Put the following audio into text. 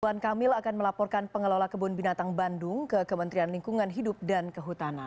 tuan kamil akan melaporkan pengelola kebun binatang bandung ke kementerian lingkungan hidup dan kehutanan